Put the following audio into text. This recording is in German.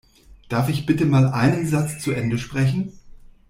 Darf ich bitte mal einen Satz zu Ende sprechen?